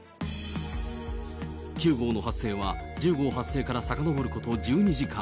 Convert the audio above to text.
９号の発生は１０号発生からさかのぼること１２時間。